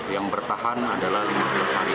yang bertahan adalah lima belas hari